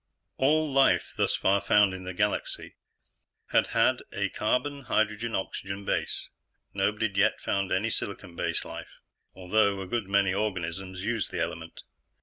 All life thus far found in the galaxy had had a carbon hydrogen oxygen base. Nobody'd yet found any silicon based life, although a good many organisms used the element.